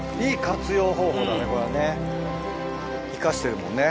生かしてるもんね